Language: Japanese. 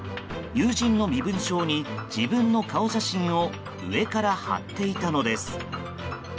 友人の身分証に、自分の顔写真を上から貼っていたのです。